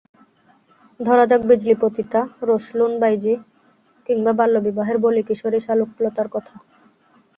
ধরা যাক বিজলী পতিতা, রসলুন বাইজি কিংবা বাল্যবিবাহের বলি কিশোরী শালুকলতার কথা।